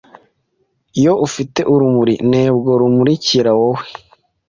Iyo ufite urumuri ntebwo rumurikire wowe